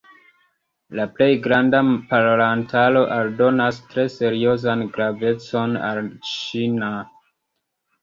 La plej granda parolantaro aldonas tre seriozan gravecon al la ĉina.